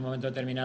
dan menurut rival